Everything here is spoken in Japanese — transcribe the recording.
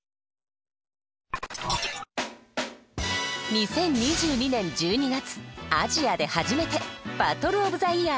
２０２２年１２月アジアで初めてバトルオブザイヤー